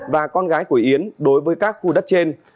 và con gái của yến đối với các khu đất trên